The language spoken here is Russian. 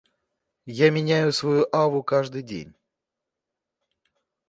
Я меняю свою аву каждый день.